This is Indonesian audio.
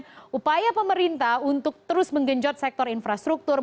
upaya pemerintah untuk terus menggenjot sektor infrastruktur